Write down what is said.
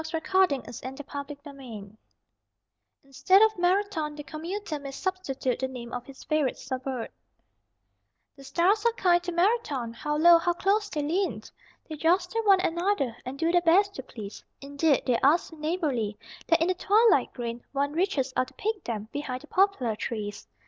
_] VESPER SONG FOR COMMUTERS (Instead of "Marathon" the commuter may substitute the name of his favorite suburb) The stars are kind to Marathon, How low, how close, they lean! They jostle one another And do their best to please Indeed, they are so neighborly That in the twilight green One reaches out to pick them Behind the poplar trees.